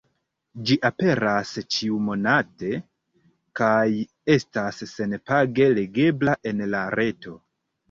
Ĝi aperas ĉiu-monate, kaj estas sen-page legebla en la reto.